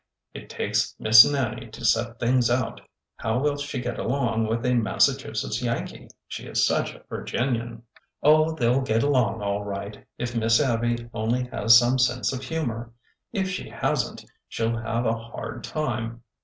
''It takes Miss Nannie to set things out! How will she get along with a Massachusetts Yankee? She is such a Virginian." '' Oh, they 'll get along all right if Miss Abby only has some sense of humor. If she has n't, she 'll have a hard time.